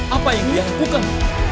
apa yang dia lakukan